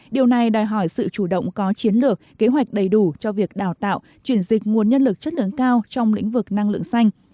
điều này đòi hỏi sự chủ động có chiến lược kế hoạch đầy đủ cho việc đào tạo chuyển dịch nguồn nhân lực chất lượng cao trong lĩnh vực năng lượng xanh